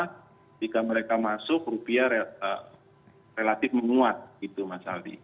ketika mereka masuk rupiah relatif menguat gitu mas aldi